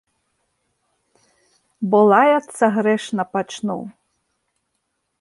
Бо лаяцца грэшна пачну.